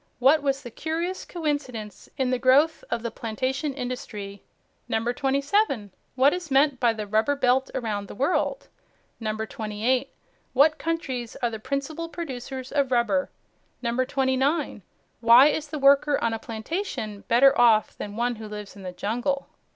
What was the curious coincidence in the growth of the plantation industry? 27. What is meant by the Rubber Belt around the world? 28. What countries are the principal producers of rubber? 29. Why is the worker on a plantation better off than one who lives in the jungle?